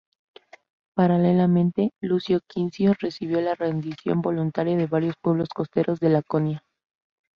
Paralelamente, Lucio Quincio recibió la rendición voluntaria de varios pueblos costeros de Laconia.